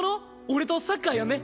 俺とサッカーやんね？